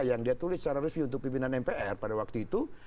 yang dia tulis secara resmi untuk pimpinan mpr pada waktu itu